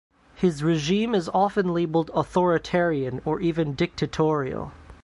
His regime is often labelled authoritarian, or even dictatorial.